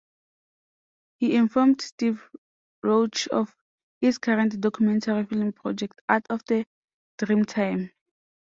He informed Steve Roach of his current documentary film project "Art of the Dreamtime".